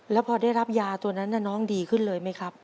แล้วพอได้รับยาตัวนั้นน้องดีขึ้นเลยไหมครับ